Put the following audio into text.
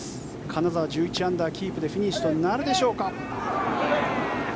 金澤、１１アンダーキープでフィニッシュとなるでしょうか。